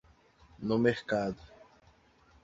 No mercado